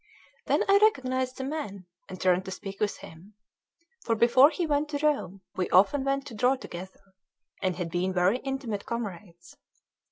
Then I recognised the man, and turned to speak with him; for before he went to Rome, we often went to draw together, and had been very intimate comrades.